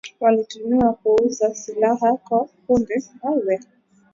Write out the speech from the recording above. Walituhumiwa kuuza silaha kwa kundi la wanamgambo huko kaskazini-mashariki mwa nchi hiyo.